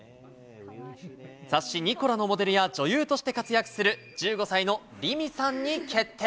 雑誌、ニコラのモデルや、女優として活躍する１５歳の凛美さんに決定。